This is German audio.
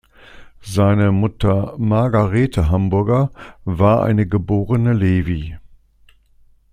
Seine Mutter Margarete Hamburger war eine geborene Levy.